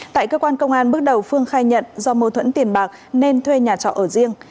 tại cơ quan công an bước đầu phương khai nhận do mâu thuẫn tiền bạc nên thuê nhà trọ ở riêng